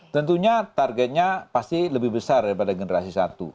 tentunya targetnya pasti lebih besar daripada generasi satu